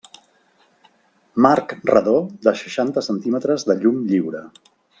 Marc redó de seixanta centímetres de llum lliure.